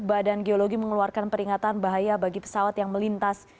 badan geologi mengeluarkan peringatan bahaya bagi pesawat yang melintas